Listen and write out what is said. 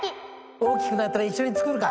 大きくなったら一緒に作るか。